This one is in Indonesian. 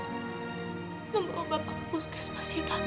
membawa bapak ke puskesmas ya pak